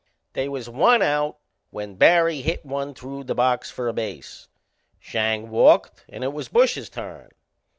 They was one out when Barry hit one through the box for a base. Schang walked, and it was Bush's turn.